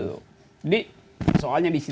jadi soalnya di situ pak jokowi nggak bisa